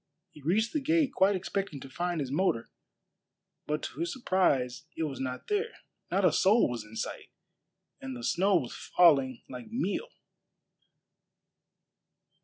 He reached the gate quite expecting to find his motor, but to his surprise it was not there. Not a soul was in sight, and the snow was falling like meal.